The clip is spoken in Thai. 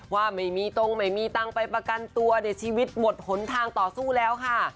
ว่าไม่มีตรงไม่มีตังค์ไปประกันตัวในชีวิตหมดหนทางต่อสู้แล้วค่ะ